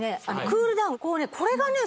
クールダウンこれがね